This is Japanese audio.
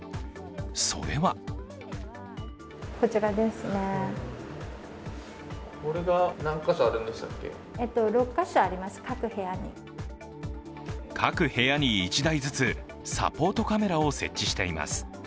それは各部屋に１台ずつサポートカメラを設置しています。